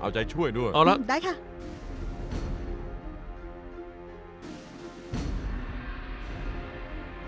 เอาใจช่วยด้วยนะครับโอเคครับได้ค่ะเอาละ